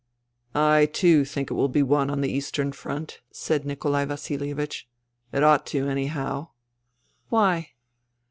" I too think it will be won on the Eastern Front," said Nikolai Vasilievich. " It ought to, anyhow." " Why